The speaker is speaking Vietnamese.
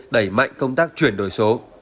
đẩy mạnh công tác chuyển đổi số